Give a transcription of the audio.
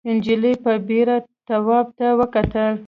نجلۍ په بېره تواب ته وکتل.